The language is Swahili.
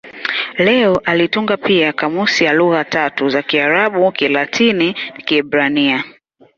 Leo alitunga pia kamusi ya lugha tatu za Kiarabu-Kilatini-Kiebrania.